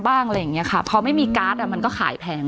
อะไรอย่างเงี้ยค่ะพอไม่มีการ์ดอ่ะมันก็ขายแพง